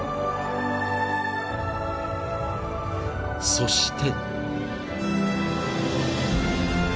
［そして］